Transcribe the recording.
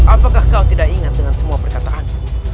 apakah kau tidak ingat dengan semua perkataan